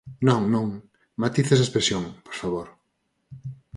Non, non, matice esa expresión, por favor.